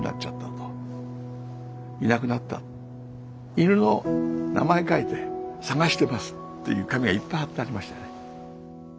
犬の名前書いて捜してますっていう紙がいっぱい貼ってありましたね。